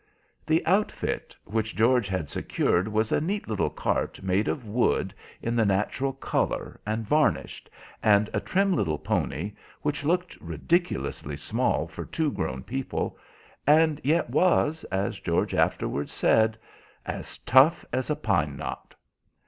The outfit which George had secured was a neat little cart made of wood in the natural colour and varnished, and a trim little pony, which looked ridiculously small for two grown people, and yet was, as George afterwards said, "as tough as a pine knot."